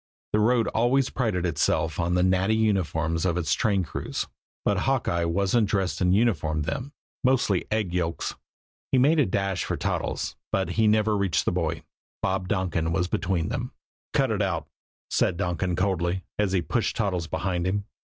The road always prided itself on the natty uniforms of its train crews, but Hawkeye wasn't dressed in uniform then mostly egg yolks. He made a dash for Toddles, but he never reached the boy. Bob Donkin was between them. "Cut it out!" said Donkin coldly, as he pushed Toddles behind him.